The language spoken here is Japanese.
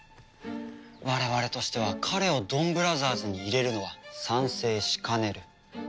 我々としては彼をドンブラザーズに入れるのは賛成しかねる。